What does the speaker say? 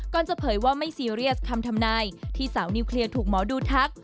จะเผยว่าไม่ซีเรียสคำทำนายที่สาวนิวเคลียร์ถูกหมอดูทัก